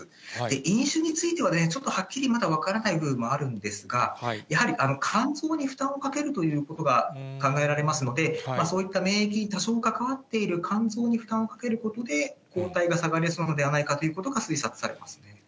飲酒については、ちょっと、はっきりまだ分からない部分もあるんですが、やはり肝臓に負担をかけるということが考えられますので、そういった免疫に多少関わっている肝臓に負担をかけることで、抗体が下がるのではないかということが推察されますね。